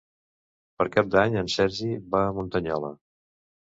Per Cap d'Any en Sergi va a Muntanyola.